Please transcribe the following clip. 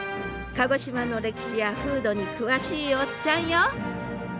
鹿児島の歴史や風土に詳しいおっちゃんよ！